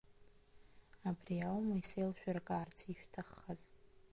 Абри аума исеилшәыркаарц ишәҭаххаз?